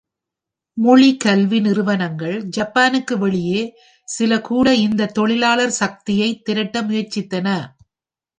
மொழி கல்வி நிறுவனங்கள், ஜப்பானுக்கு வெளியே சில கூட, இந்த தொழிலாளர் சக்தியைத் திரட்ட முயற்சித்தன.